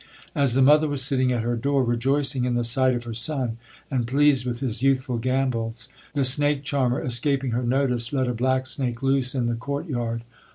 As the mother was sitting at her door rejoicing in the sight of her son, and pleased with his youthful gambols, the snake charmer escaping her notice let a black snake loose in the court yard.